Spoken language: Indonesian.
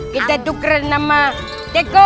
kita tukeran sama teko